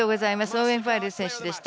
オーウェン・ファレル選手でした。